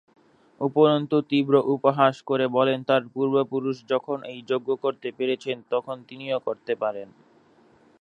উপরন্তু তীব্র উপহাস করে বলেন তার পূর্বপুরুষ যখন এই যজ্ঞ করতে পেরেছেন তখন তিনিও করতে পারেন।